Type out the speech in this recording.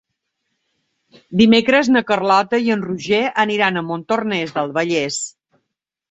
Dimecres na Carlota i en Roger aniran a Montornès del Vallès.